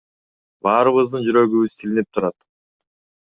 Баарыбыздын жүрөгүбүз тилинип турат.